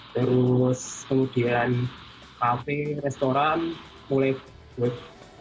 terus kemudian kafe restoran mulai buat